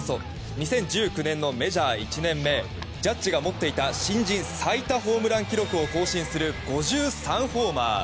２０１９年のメジャー１年目ジャッジが持っていた新人最多ホームラン記録を更新する５３ホーマー。